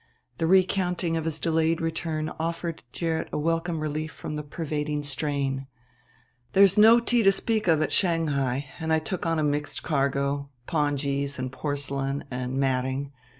The recounting of his delayed return offered Gerrit a welcome relief from the pervading strain: "There's no tea to speak of at Shanghai, and I took on a mixed cargo pongees and porcelain and matting.